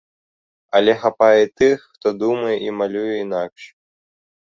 Але хапае і тых, хто думае і малюе інакш.